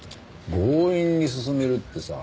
強引に進めるってさ